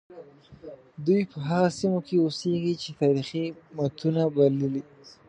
دوی په هغو سیمو کې اوسیږي چې تاریخي متونو بللي.